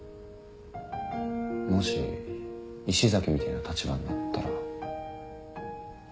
もし石崎みてえな立場んなったら。